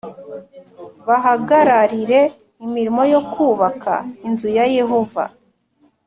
bahagararire imirimo yo kubaka inzu ya Yehova